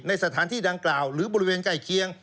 สถานที่ดังกล่าวหรือบริเวณใกล้เคียง